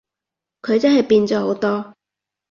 佢真係變咗好多